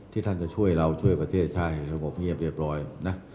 ที่ท่านจะช่วยเราช่วยประเทศช่ายสมบัติเพียบร้อยนะ